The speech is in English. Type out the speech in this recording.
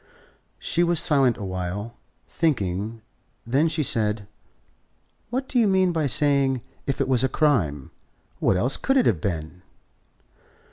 She was silent a while, thinking; then she said: "What did you mean by saying: 'If it was a crime.' What else could it have been?"